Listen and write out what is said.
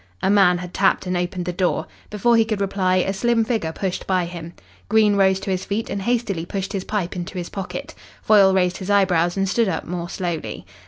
A man had tapped and opened the door. Before he could reply, a slim figure pushed by him. Green rose to his feet and hastily pushed his pipe into his pocket. Foyle raised his eyebrows and stood up more slowly.